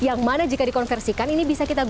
yang mana jika dikonversikan ini bisa kita